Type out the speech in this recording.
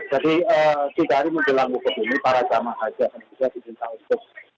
jadi kita hari ini menjelang buku ini para jamaah saja akan bisa diberitahu untuk